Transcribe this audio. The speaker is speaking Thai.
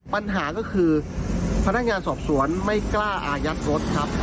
ปัญหาก็คือพนักงานสอบสวนไม่กล้าอายัดรถครับ